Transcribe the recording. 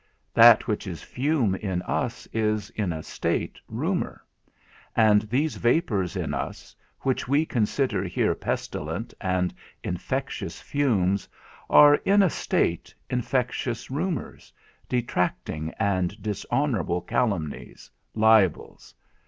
That which is fume in us is, in a state rumour; and these vapours in us, which we consider here pestilent and infectious fumes, are, in a state, infecitious rumours, detracting and dishonourable calumnies, libels.